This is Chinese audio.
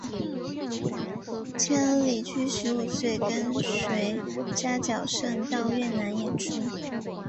千里驹十五岁跟随扎脚胜到越南演出。